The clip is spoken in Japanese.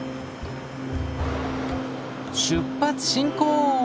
出発進行！